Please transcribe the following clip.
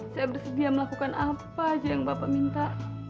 saya bersedia melakukan apa aja yang bapak minta